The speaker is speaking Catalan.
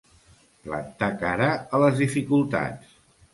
Plantar cara a les dificultats.